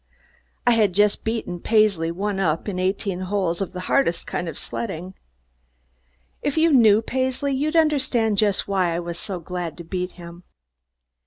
I had just beaten Paisley "one up" in eighteen holes of the hardest kind of sledding. If you knew Paisley you'd understand just why I was so glad to beat him.